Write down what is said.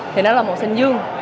thì nó là màu xanh dương